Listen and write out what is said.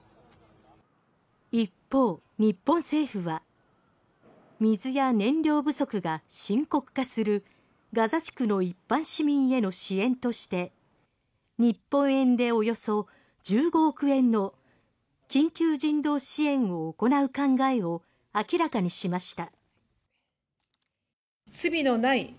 一方、日本政府は水や燃料不足が深刻化するガザ地区の一般市民への支援として日本円でおよそ１５億円の緊急人道支援を行う考えを明らかにしました。